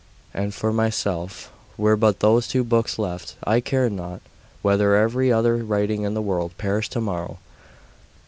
And for myself, were but those two books left, I care not whether every other writing in the world perished to morrow.